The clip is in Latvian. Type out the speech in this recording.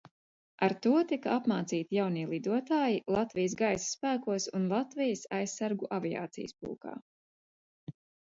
Ar to tika apmācīti jaunie lidotāji Latvijas Gaisa spēkos un Latvijas Aizsargu aviācijas pulkā.